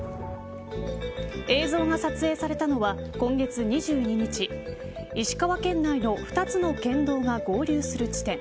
映像が撮影されたのは今月２２日石川県内の２つの県道が合流する地点。